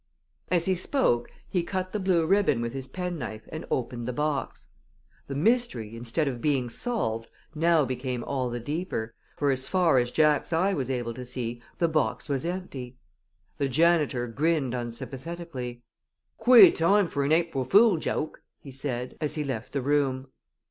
As he spoke he cut the blue ribbon with his penknife and opened the box. The mystery, instead of being solved, now became all the deeper, for as far as Jack's eye was able to see the box was empty. The janitor grinned unsympathetically. "Quare toime for an April fool joke!" he said, as he left the room.